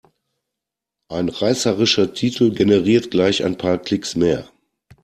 Ein reißerischer Titel generiert gleich ein paar Klicks mehr.